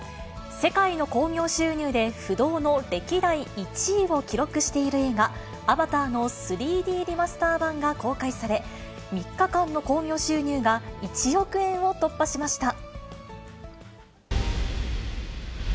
世界の興行収入で不動の歴代１位を記録している映画、アバターの３Ｄリマスター版が公開され、３日間の興行収入が、１億円を突破しました。